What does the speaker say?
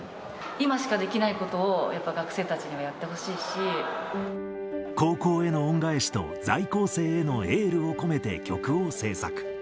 今しかできないことを、やっぱ学高校への恩返しと、在校生へのエールを込めて曲を制作。